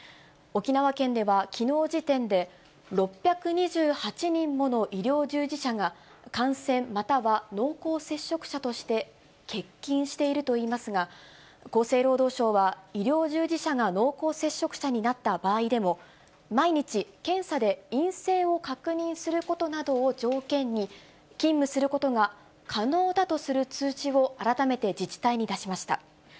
沖縄県ではきのう時点で６２８人もの医療従事者が感染、または濃厚接触者として欠勤しているといいますが、厚生労働省は、医療従事者が濃厚接触者になった場合でも、毎日検査で陰性を確認することなどを条件に、勤務することが可能だとする通知を改めて自治体に出しました。